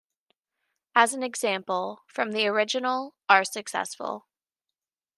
As an example, from the original ... are successful.